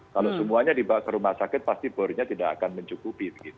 kalau semuanya dibawa ke rumah sakit pasti bornya tidak akan mencukupi